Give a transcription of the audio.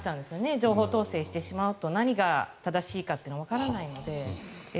情報統制をしてしまうと何が正しいかというのがわからないので。